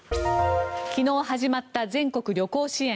昨日始まった全国旅行支援。